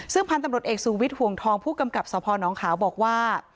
ซึ่งพันธุ์ตำรวจเอกสูวิทย์ห่วงทองผู้กำกับสพนขาวบอกว่า